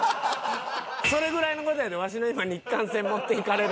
それぐらいの事やでわしの今日韓戦持っていかれるん。